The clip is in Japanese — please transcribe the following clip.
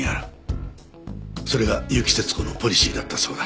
それが結城節子のポリシーだったそうだ。